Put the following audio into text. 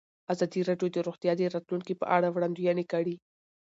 ازادي راډیو د روغتیا د راتلونکې په اړه وړاندوینې کړې.